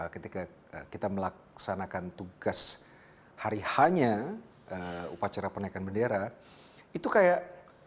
ketika kita melaksanakan tugas hari hanya upacara penaikan bendera itu kayak